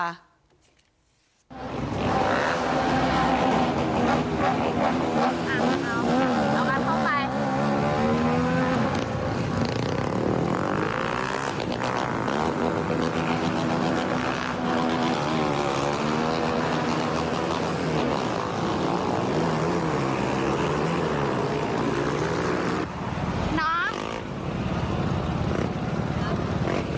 เอากันเข้าไป